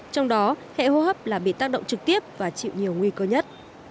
trong đó hệ hô hấp là bị tác động trực tiếp và chịu nhiều nguy cơ nhất